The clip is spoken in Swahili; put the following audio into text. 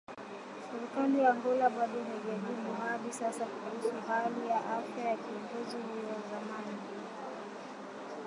Serikali ya Angola bado haijajibu hadi sasa kuhusu ya hali ya afya ya kiongozi huyo wa zamani